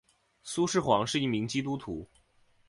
苏施黄是一名基督徒。